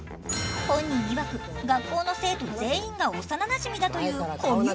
本人いわく学校の生徒全員が幼なじみだというコミュモンスター。